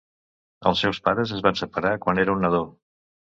Els seus pares es van separar quan era un nadó.